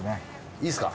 いいっすか？